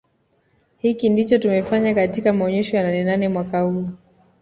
Hiki ndicho tumefanya katika maonesho ya Nanenane mwaka huu